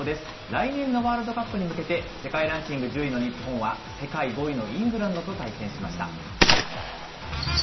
来年のワールドカップに向けて、世界ランキング１０位の日本は、世界５位のイングランドと対戦しました。